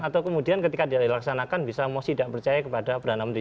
atau kemudian ketika dia dilaksanakan bisa mosi tidak percaya kepada perdana menteri